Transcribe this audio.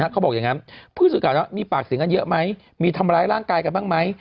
เขาบอกอย่างนั้นผู้สื่อข่าวว่ามีปากเสียงกันเยอะไหมมีทำร้ายร่างกายกันบ้างไหม